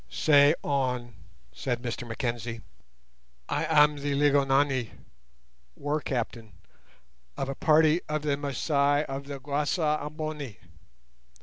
"Say on," said Mr Mackenzie. "I am the 'Lygonani' [war captain] of a party of the Masai of the Guasa Amboni.